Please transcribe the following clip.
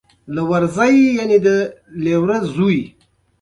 ځینې يې د چور او چپاول په هدف له مارش سره یوځای شوي وو.